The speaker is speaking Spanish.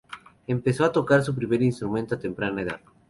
Empezó a tocar su primer instrumento, a temprana edad.